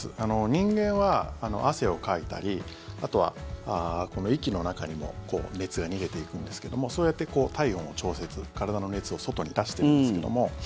人間は汗をかいたりあとは息の中にも熱が逃げていくんですけどもそうやって体温を調節、体の熱を外に出してるんですけども。